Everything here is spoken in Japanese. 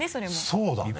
そうだね。